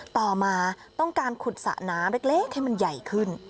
ต่อมาต้องการขุดสระน้ำเล็กให้มันใหญ่ขึ้น